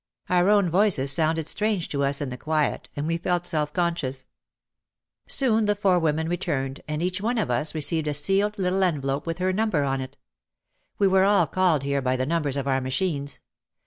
Our own voices sounded strange to us in the quiet and we felt self conscious. Soon the forewomen returned and each one of us OUT OF THE SHADOW 291 received a sealed little envelope with her number on it. We were all called here by the numbers of our machines.